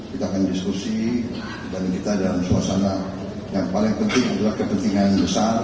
kita akan diskusi dan kita dalam suasana yang paling penting adalah kepentingan besar